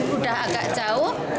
udah agak jauh